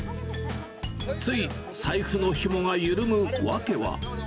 つい財布のひもが緩む訳は。